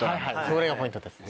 それがポイントです。